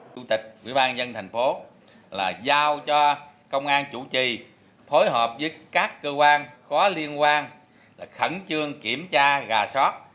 chủ tịch quỹ ban dân thành phố là giao cho công an chủ trì phối hợp với các cơ quan có liên quan khẩn trương kiểm tra gà sót